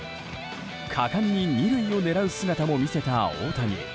果敢に２塁を狙う姿も見せた大谷。